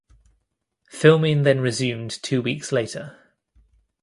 Filming then resumed two weeks later.